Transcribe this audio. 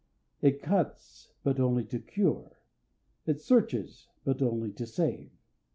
It cuts, but only to cure. It searches, but only to save.